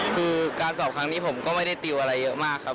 คือการสอบครั้งนี้ผมก็ไม่ได้ติวอะไรเยอะมากครับ